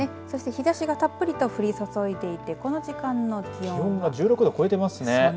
そして日ざしがたっぷりと降り注いでいて、この時間の気温は１６度を超えていますね。